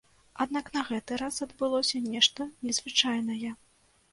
Аднак на гэты раз адбылося нешта незвычайнае.